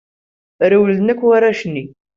Rewlen akk warrac-nni.